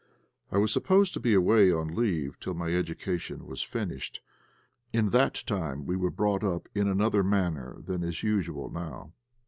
I was supposed to be away on leave till my education was finished. At that time we were brought up in another manner than is usual now.